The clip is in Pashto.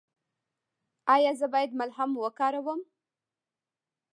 ایا زه باید ملهم وکاروم؟